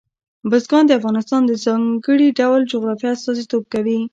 بزګان د افغانستان د ځانګړي ډول جغرافیه استازیتوب کوي.